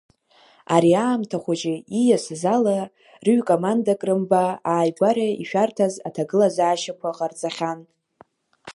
Ари аамҭа хәыҷы ииасыз ала, рыҩкомандак рымба ааигәара ишәарҭаз аҭагылазаашьақәа ҟарҵахьан.